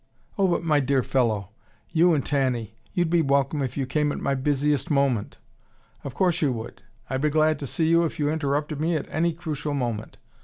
"Oh, but my dear fellow! You and Tanny; you'd be welcome if you came at my busiest moment. Of course you would. I'd be glad to see you if you interrupted me at any crucial moment.